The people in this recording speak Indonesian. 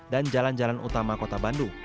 dan jalan jalan utama kota bandung